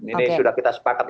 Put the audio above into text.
ini sudah kita sepakat